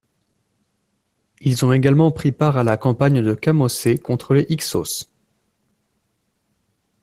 Ils ont également pris part à la campagne de Kamosé contre les Hyksôs.